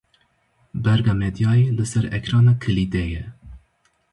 Berga medyayê li ser ekrana kilîdê ye.